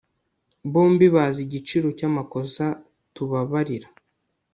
Bombi bazi igiciro cyamakosa tubabarira